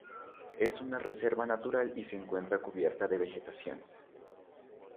Es una reserva natural y se encuentra cubierta de vegetación.